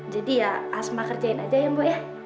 jadi ya rasma kerjain aja ya mbak ya